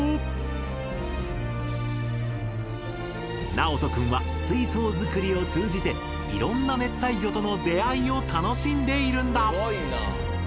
なおとくんは水槽作りを通じていろんな熱帯魚との出会いを楽しんでいるんだ。